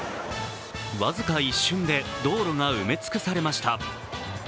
僅か一瞬で道路が埋め尽くされました。